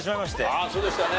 ああそうでしたね。